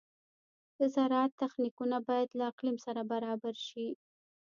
د زراعت تخنیکونه باید له اقلیم سره برابر شي.